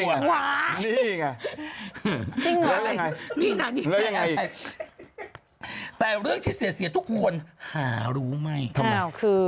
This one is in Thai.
นี่ไงตั้งแต่เรื่องที่เสียทุกคนหลูมั้ยทำไม